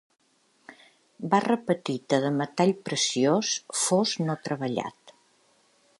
Barra petita de metall preciós fos no treballat.